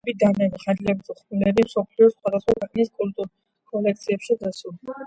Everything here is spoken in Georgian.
მისი ნამუშევრები, დანები, ხანჯლები თუ ხმლები მსოფლიოს სხვადასხვა ქვეყნის კოლექციებშია დაცული.